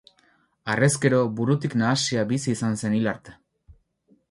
Harrezkero, burutik nahasia bizi izan zen hil arte.